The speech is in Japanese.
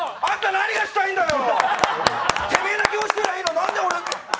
何がしたいんだよ。